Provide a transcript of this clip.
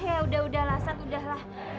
ya udah udahlah sat udah lah